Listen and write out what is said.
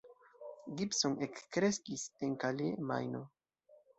Gibson ekkreskis en Calais, Majno.